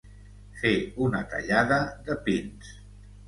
Fer una tallada de pins.